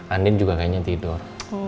andin juga kayaknya tidur